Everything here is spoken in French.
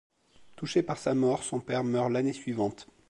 Touché par sa mort, son père meurt l'année suivante.